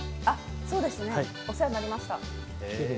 そうですね、お世話になりました。